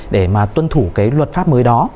để mà tuân thủ cái luật pháp mới đó